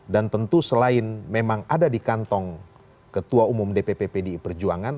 dan tentu selain memang ada di kantong ketua umum dpp pdi perjuangan